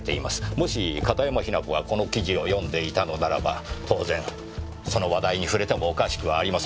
もし片山雛子がこの記事を読んでいたのならば当然その話題に触れてもおかしくはありません。